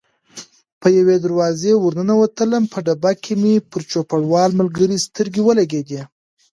په یوې دروازې ور ننوتلم، په ډبه کې مې پر چوپړوال ملګري سترګې ولګېدې.